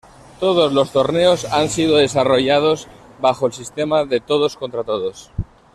Todos los torneos han sido desarrollados bajo el sistema de todos contra todos.